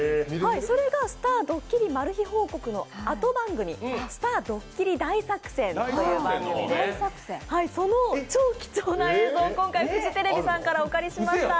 それが「スターどっきりマル秘報告」の後番組「スターどっきり大作戦」という番組でその超貴重な映像を今回、フジテレビさんからお借りしました。